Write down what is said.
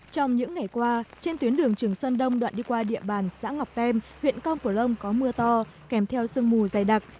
trong những ngày qua trên tuyến đường trường sơn đông đoạn đi qua địa bàn xã ngọc tem huyện con plong có mưa to kèm theo sương mù dày đặc